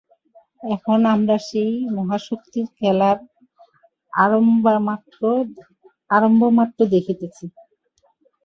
এখন আমরা সেই মহাশক্তির খেলার আরম্ভমাত্র দেখিতেছি।